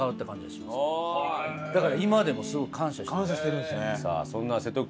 だから今でもすごく感謝してます。